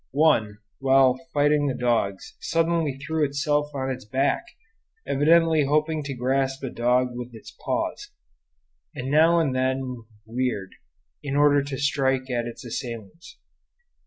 One, while fighting the dogs, suddenly threw itself on its back, evidently hoping to grasp a dog with its paws; and it now and then reared, in order to strike at its assailants.